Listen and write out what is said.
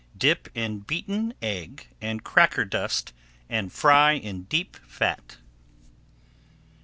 Dip in beaten egg and cracker dust and fry in deep fat.